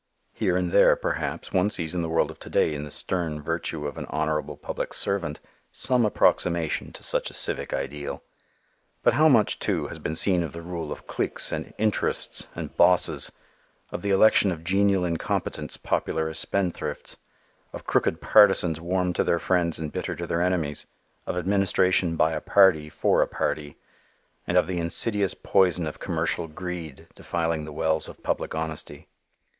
Here and there, perhaps, one sees in the world of to day in the stern virtue of an honorable public servant some approximation to such a civic ideal. But how much, too, has been seen of the rule of "cliques" and "interests" and "bosses;" of the election of genial incompetents popular as spendthrifts; of crooked partisans warm to their friends and bitter to their enemies; of administration by a party for a party; and of the insidious poison of commercial greed defiling the wells of public honesty.